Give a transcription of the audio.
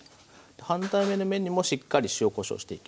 反対の面にもしっかり塩・こしょうしていきます。